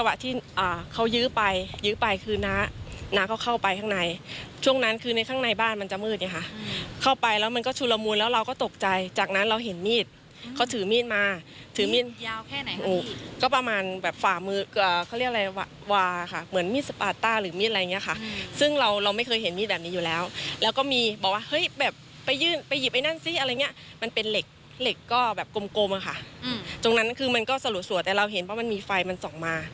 วะที่อ่าเขายื้อไปยื้อไปคือน้าน้าเขาเข้าไปข้างในช่วงนั้นคือในข้างในบ้านมันจะมืดไงค่ะเข้าไปแล้วมันก็ชุนละมูลแล้วเราก็ตกใจจากนั้นเราเห็นมีดเขาถือมีดมาถือมีดยาวแค่ไหนค่ะพี่ก็ประมาณแบบฝ่ามืออ่าเขาเรียกอะไรวะวาค่ะเหมือนมีดสปาต้าหรือมีดอะไรอย่างเงี้ยค่ะซึ่งเราเราไม่เคยเห็นมีดแบบ